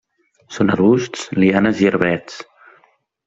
Són arbusts, lianes o arbrets.